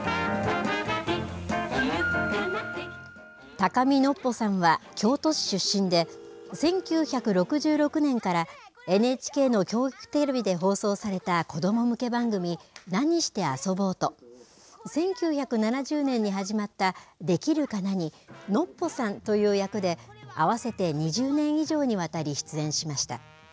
高見のっぽさんは京都市出身で、１９６６年からＮＨＫの教育テレビで放送された子ども向け番組、なにしてあそぼうと、１９７０年に始まった、できるかなに、ノッポさんという役で、合わせて２０年以上にわたり出演しました。